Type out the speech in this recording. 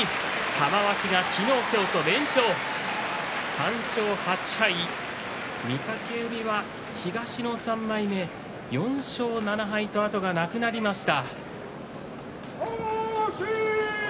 玉鷲が昨日今日と連勝、３勝８敗御嶽海は東の３枚目４勝７敗と後がなくなりました。